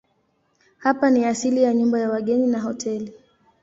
Hapa ni asili ya nyumba ya wageni na hoteli.